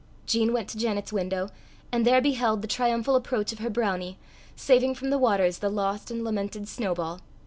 Jean went to Janet's window, and there beheld the triumphal approach of her brownie, saving from the waters the lost and lamented Snowball.